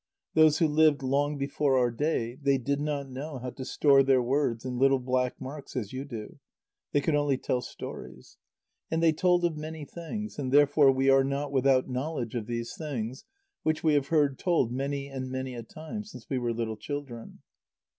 Those who lived long before our day, they did not know how to store their words in little black marks, as you do; they could only tell stories. And they told of many things, and therefore we are not without knowledge of these things, which we have heard told many and many a time, since we were little children.